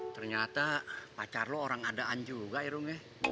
ternyata pacar lu orang adaan juga ya rum ya